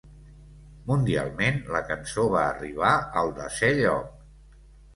Mundialment, la cançó, va arribar al desè lloc.